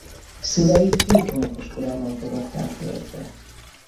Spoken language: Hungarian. Szülei hét hónapos korában fogadták örökbe.